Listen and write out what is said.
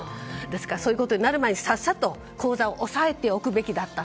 ですからそういうことになる前にさっさと口座を抑えておくべきだった。